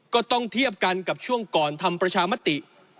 ก็ต้องเทียบกันกับช่วงก่อนทำประชามติ